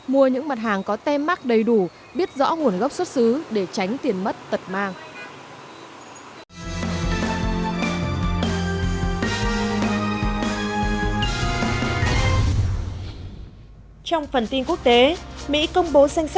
mua những mặt hàng có tem mắc đầy đủ biết rõ nguồn gốc xuất xứ để tránh tiền mất tật mang